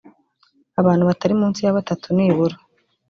abantu batari munsi ya batatu nibura